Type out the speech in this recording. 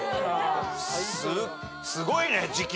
すごいね時給。